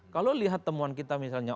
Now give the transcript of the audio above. kalau lihat temuan kita misalnya